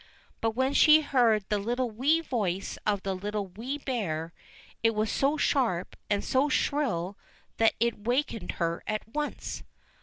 But when she heard the little wee voice of the Little Wee Bear, it was so sharp, and so shrill, that it awakened her at once.